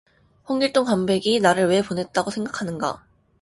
홍길동 관백이 나를 왜 보냈다고 생각하는가